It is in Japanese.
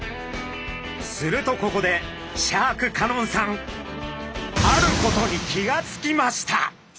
するとここでシャーク香音さんあることに気が付きました！